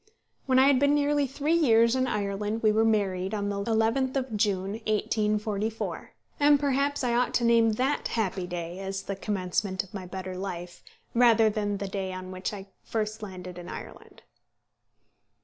When I had been nearly three years in Ireland we were married on the 11th of June, 1844; and perhaps I ought to name that happy day as the commencement of my better life, rather than the day on which I first landed in Ireland.